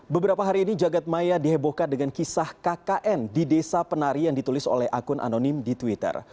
beberapa hari ini jagad maya dihebohkan dengan kisah kkn di desa penari yang ditulis oleh akun anonim di twitter